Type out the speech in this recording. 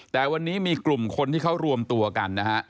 แต่วันนี้มีกลุ่มคนที่เขารวมตัวกันนะฮะ